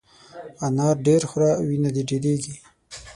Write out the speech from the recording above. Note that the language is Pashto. انار ډېر خوره ، وینه دي ډېرېږي !